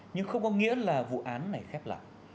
nhưng không có nghĩa là vụ án này khép lại